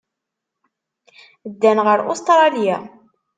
Ddan ɣer Ustṛalya.